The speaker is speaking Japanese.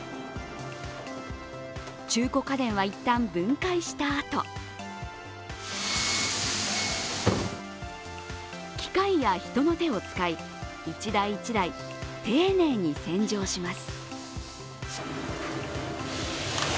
中古家電は一旦分解したあと、機械や人の手を使い、１台１台、丁寧に洗浄します。